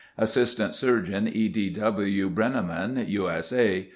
Assistant Surgeon E. D. W. Breneman, U. S. A.